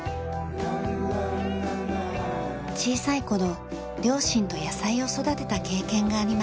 小さい頃両親と野菜を育てた経験がありました。